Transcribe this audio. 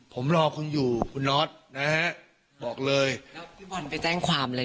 ผมรอคุณอยู่คุณน็อตนะฮะบอกเลยแล้วพี่บอลไปแจ้งความเลย